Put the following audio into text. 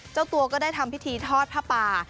เจ้าตัวก็ได้ทำพิธีทอดผ้าป่า